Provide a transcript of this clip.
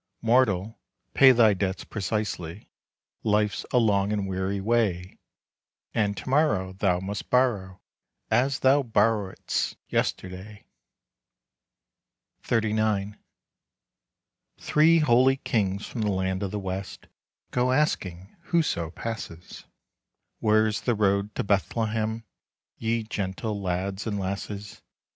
Mortal, pay thy debts precisely, Life's a long and weary way; And to morrow thou must borrow, As thou borrow'dst yesterday. XXXIX. Three holy kings from the land of the West Go asking whoso passes, "Where is the road to Bethlehem, Ye gentle lads and lasses?"